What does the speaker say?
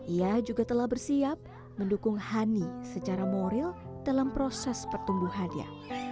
ia juga telah bersiap mendukung honey secara moral dalam proses pertumbuhan dia